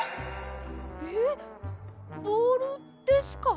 えボールですか？